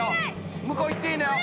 向こう行っていいのよ。